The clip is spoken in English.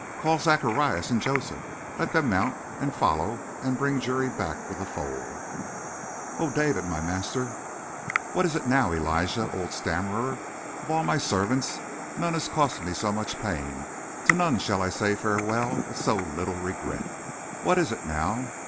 Call Zacharias and Joseph. Let them mount and follow and bring Juri back with the foal!" "Oh, David, my master " "What is it now, Elijah, old stammerer? Of all my servants none has cost me so much pain; to none shall I say farewell with so little regret. What is it now?